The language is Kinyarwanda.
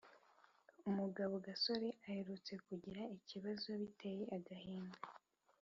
umugabo gasore aherutse kugira ikibazo biteye agahinda.